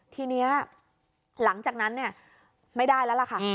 ทีนี้หลังจากนั้นไม่ได้แล้วค่ะ